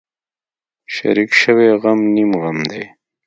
شریک شوی غم نیم غم دی.